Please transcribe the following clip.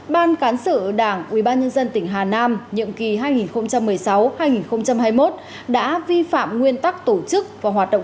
ban cán sự đảng ubnd tỉnh hà nam nhiệm kỳ hai nghìn một mươi sáu hai nghìn hai mươi một đã vi phạm nguyên tắc tổ chức và hoạt động